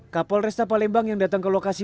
kapol restapalembang yang datang ke lokasi